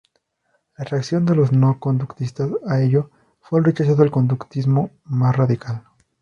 La reacción de los no-conductistas a ello fue el rechazo del conductismo más radical.